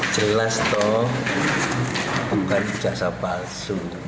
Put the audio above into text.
jelas toh bukan ijasa palsu